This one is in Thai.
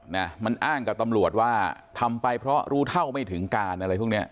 นะมันอ้างกับตำรวจว่าทำไปเพราะรู้เท่าไม่ถึงการอะไรพวกเนี้ย